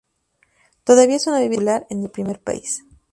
Todavía es una bebida muy popular en el primer país.